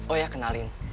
oh ya kenalin